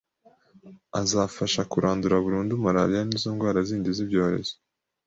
azafasha kurandura burundu malariya n’izo ndwara zindi z’ibyorezo